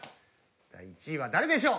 第１位は誰でしょう？